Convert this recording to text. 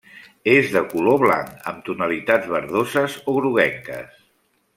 És de color blanc amb tonalitats verdoses o groguenques.